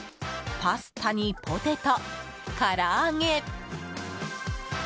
パスタにポテト、から揚げ。